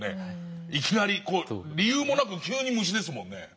いきなり理由もなく急に虫ですもんね。